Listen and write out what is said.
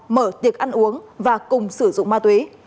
mở tiệc ăn uống và cùng sử dụng ma túy